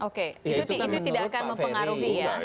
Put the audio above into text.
oke itu tidak akan mempengaruhi ya